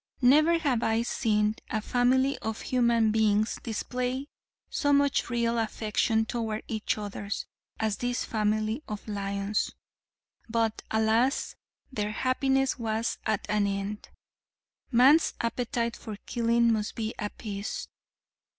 Never have I seen a family of human beings display so much real affection toward each others as this family of lions. But alas, their happiness was at an end. Man's appetite for killing must be appeased.